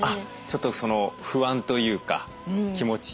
ちょっと不安というか気持ち？